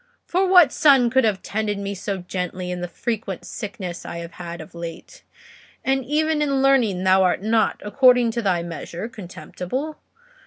For what son could have tended me so gently in the frequent sickness I have had of late? And even in learning thou art not, according to thy measure, contemptible.